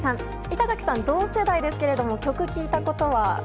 板垣さん、同世代ですが曲、聴いたことは？